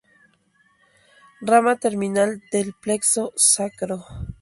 Rama terminal del plexo sacro.